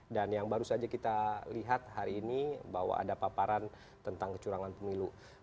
dan yang baru saja kita lihat hari ini bahwa ada paparan tentang kecurangan pemilu